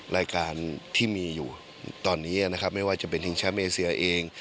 รายการที่มีอยู่ตอนนี้นะครับไม่ว่าจะเป็นทีมแชมป์เอเซียเอง